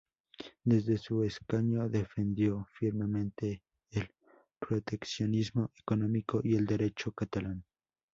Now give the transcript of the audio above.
Desde su escaño defendió firmemente el proteccionismo económico y el derecho catalán.